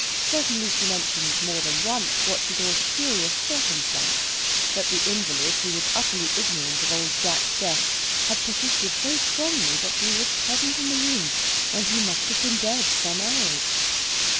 Certainly she mentioned more than once what she thought a curious circumstance that the invalid, who was utterly ignorant of Old Jack's death, had persisted so strongly that he was present in the room when he must have been dead some hours.